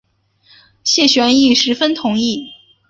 谢玄亦十分同意。